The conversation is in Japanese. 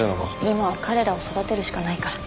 今は彼らを育てるしかないから。